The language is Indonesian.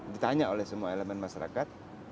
ditanya oleh semua elemen masyarakat